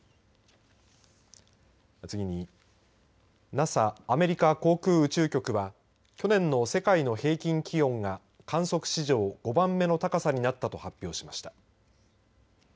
次にＮＡＳＡアメリカ航空宇宙局は去年の世界の平均気温が観測史上５番目の高さになったと発表しました。